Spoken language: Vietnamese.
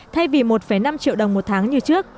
thay vì một năm triệu đồng một tháng như trước